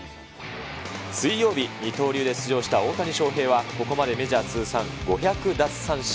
水曜日、二刀流で出場した大谷翔平はここまでメジャー通算５００奪三振。